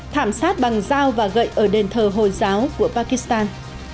thảm sát bằng dao và gậy ở đền thờ hồi giáo của pakistan